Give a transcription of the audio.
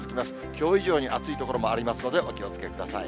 きょう以上に暑い所もありますので、お気をつけください。